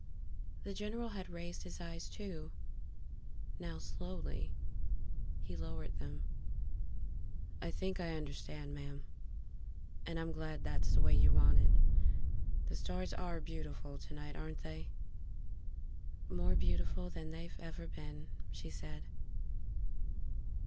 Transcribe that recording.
The general had raised his eyes, too; now, slowly, he lowered them. "I think I understand, ma'am. And I'm glad that's the way you want it ... The stars are beautiful tonight, aren't they." "More beautiful than they've ever been," she said.